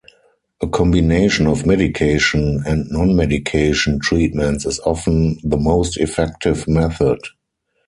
A combination of medication and non-medication treatments is often the most effective method.